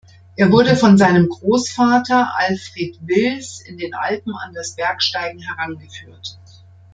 Er wurde von seinem Großvater Alfred Wills in den Alpen an das Bergsteigen herangeführt.